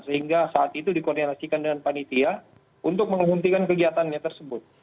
sehingga saat itu dikoordinasikan dengan panitia untuk menghentikan kegiatannya tersebut